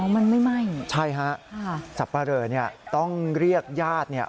อ๋อมันไม่ไหม้ใช่ฮะสัปลิร์ย์ต้องเรียกญาติ